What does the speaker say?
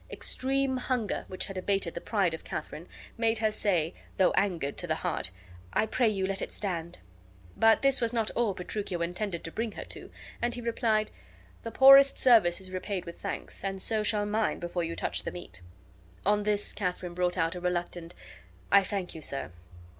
Extreme hunger, which had abated the pride of Katharine, made her say, though angered to the heart, "I pray you let it stand." But this was not all Petruchio intended to bring her to, and he replied, "The poorest service is repaid with thanks, and so shall mine before you touch the meat." On this Katharine brought out a reluctant "I thank you, sir."